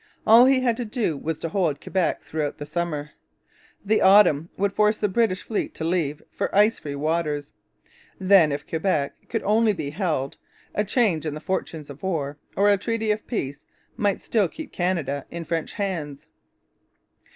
All he had to do was to hold Quebec throughout the summer. The autumn would force the British fleet to leave for ice free waters. Then, if Quebec could only be held, a change in the fortunes of war, or a treaty of peace, might still keep Canada in French hands.